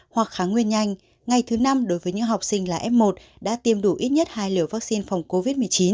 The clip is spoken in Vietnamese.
hoặc kháng nguyên nhanh ngày thứ năm đối với những học sinh là f một đã tiêm đủ ít nhất hai liều vaccine phòng covid một mươi chín